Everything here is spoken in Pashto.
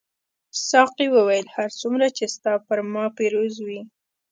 ساقي وویل هر څومره چې ستا پر ما پیرزو وې.